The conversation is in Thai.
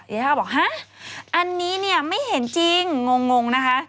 ยาท่าบอกฮะอันนี้เนี่ยไม่เห็นจริงงงนะคะ